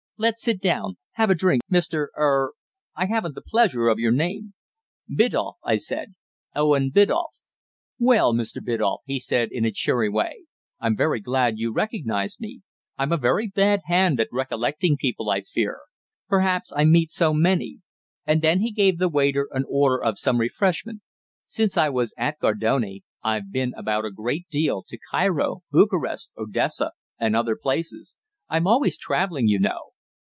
"Let's sit down. Have a drink, Mr. er. I haven't the pleasure of your name." "Biddulph," I said. "Owen Biddulph." "Well, Mr. Biddulph," he said in a cheery way, "I'm very glad you recognized me. I'm a very bad hand at recollecting people, I fear. Perhaps I meet so many." And then he gave the waiter an order for some refreshment. "Since I was at Gardone I've been about a great deal to Cairo, Bucharest, Odessa, and other places. I'm always travelling, you know."